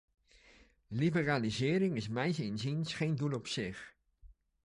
Liberalisering is mijns inziens geen doel op zich.